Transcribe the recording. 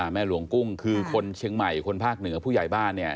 แม่หลวงกุ้งคือคนเชียงใหม่คนภาคเหนือผู้ใหญ่บ้านเนี่ย